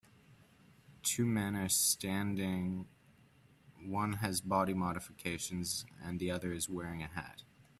Two men are standing one has body modifications and the other is wearing a hat.